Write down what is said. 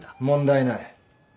問題ない。